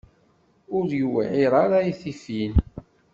Ur yewɛiṛ ara i tifin.